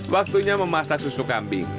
waktunya memasak susu kambing